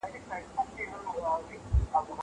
زه پرون سړو ته خواړه ورکړې!